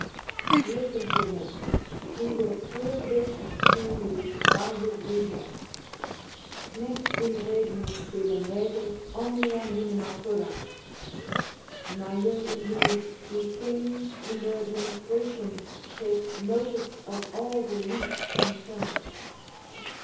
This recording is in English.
Listen to him; he will clear this to you by his reason: Nec in regnis quidem reges omnia minima curant: "Neither indeed do kings in their administration take notice of all the least concerns."